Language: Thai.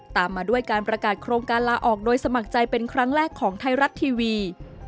ตามมาด้วยการประกาศโครงการลาออกโดยสมัครใจเป็นครั้งแรกของไทยรัฐทีวี